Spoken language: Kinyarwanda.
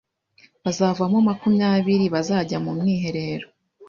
bazavamo makumyabiri bazajya mu mwiherero